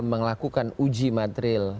menglakukan uji materil